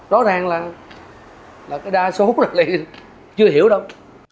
đó là cái đa số này chưa hiểu đâu